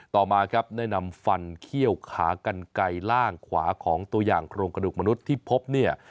ต่อมาครับได้นำฟันเขี้ยวขากันไกลล่างขวาของตัวอย่างโครงกระดูกมนุษย์ที่พบเนี่ย